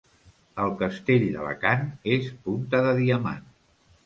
El castell d'Alacant és punta de diamant.